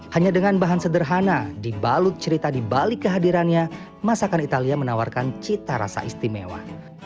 hanya dengan bahan sederhana dibalut cerita di balik kehadirannya masakan italia menawarkan cita rasa istimewa